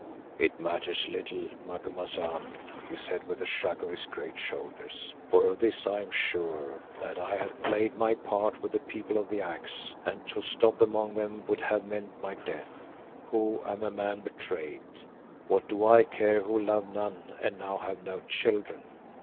"It matters little, Macumazahn," he said with a shrug of his great shoulders, "for of this I am sure, that I have played my part with the People of the Axe and to stop among them would have meant my death, who am a man betrayed. What do I care who love none and now have no children?